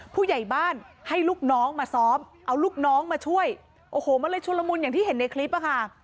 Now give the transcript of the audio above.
ผู้ใหญ่บ้านให้ลูกน้องมาซ้อมเอาลูกน้องมาช่วยโอ้โหมันเลยชุลมุนอย่างที่เห็นในคลิปอะค่ะ